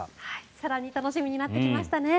更に楽しみになってきましたね。